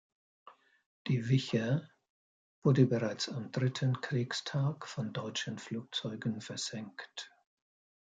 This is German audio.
Die "Wicher" wurde bereits am dritten Kriegstag von deutschen Flugzeugen versenkt.